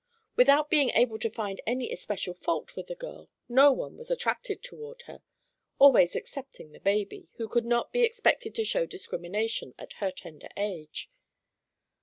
Without being able to find any especial fault with the girl, no one was attracted toward her—always excepting the baby, who could not be expected to show discrimination at her tender age.